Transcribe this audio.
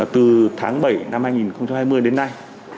từ tháng bảy năm hai nghìn hai mươi đến nay